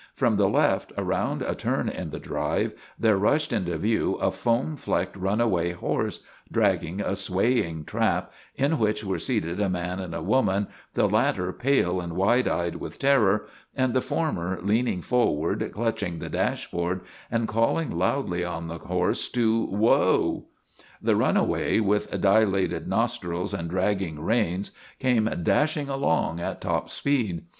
From the left, around a turn in the drive, there rushed into view a foam flecked runaway horse, dragging a swaying trap, in which were seated a man and a woman, the latter pale and wide eyed with terror and the former leaning forward, clutch ing the dashboard, and calling loudly on the horse to " whoa." The runaway, with dilated nostrils and dragging reins, came dashing along at top speed.